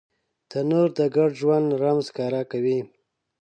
تنور د ګډ ژوند رمز ښکاره کوي